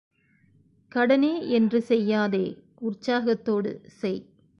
கடனே என்று செய்யாதே, உற்சாகத்தோடு செய்